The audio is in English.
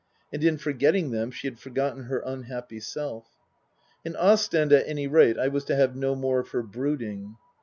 And in forgetting them she had forgotten her unhappy self. In Ostend, at any rate, I was to have no more of her brooding.